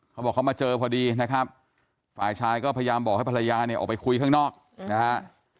เขาบอกเขามาเจอพอดีนะครับฝ่ายชายก็พยายามบอกให้ภรรยาเนี่ยออกไปคุยข้างนอกนะฮะ